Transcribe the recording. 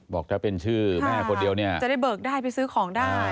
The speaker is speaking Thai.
บอกถ้าเป็นชื่อแม่คนเดียวเนี่ยจะได้เบิกได้ไปซื้อของได้